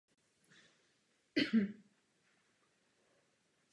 V celé Evropě tento konkrétní případ provázela značná publicita.